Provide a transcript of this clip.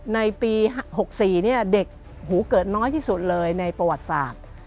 ในปี๖๔เด็กหูเกิดน้อยที่สุดเลยในประวัติศาสตร์